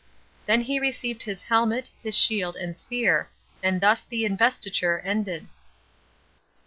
Then he received his helmet, his shield, and spear; and thus the investiture ended.